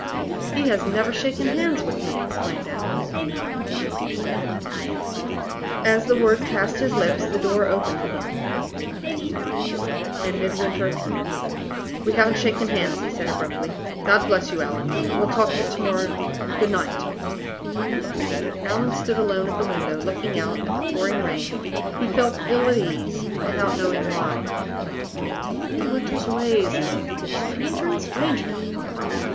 "He has never shaken hands with me!" exclaimed Allan, looking bewildered at the empty chair. As the words passed his lips the door opened, and Midwinter appeared again. "We haven't shaken hands," he said, abruptly. "God bless you, Allan! We'll talk of it to morrow. Good night." Allan stood alone at the window, looking out at the pouring rain. He felt ill at ease, without knowing why. "Midwinter's ways get stranger and stranger," he thought.